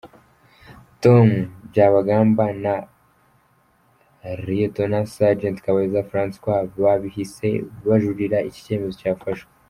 Tom Byabagamba na Rtd Sgt Kabayiza François babihise bajuririra iki cyemezo cyafashwe.